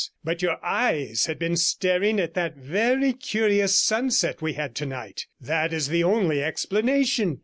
But your eyes had been staring at that very curious sunset we had tonight. That is the only explanation.